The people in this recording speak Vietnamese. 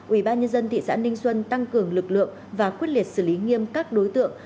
ủy ban nhân dân thị xã ninh xuân tăng cường lực lượng và quyết liệt xử lý nghiêm các đối tượng